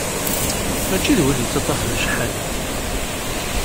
Mačči d win yettaṭṭafen ccḥani.